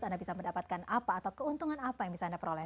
anda bisa mendapatkan apa atau keuntungan apa yang bisa anda peroleh